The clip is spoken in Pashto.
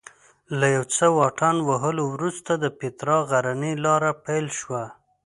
له یو څه واټن وهلو وروسته د پیترا غرنۍ لاره پیل شوه.